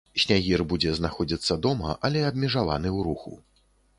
Снягір будзе знаходзіцца дома, але абмежаваны ў руху.